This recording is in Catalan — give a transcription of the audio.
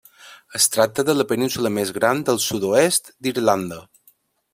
Es tracta de la península més gran del sud-oest d'Irlanda.